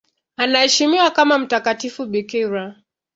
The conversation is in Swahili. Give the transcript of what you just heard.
Anaheshimiwa kama mtakatifu bikira.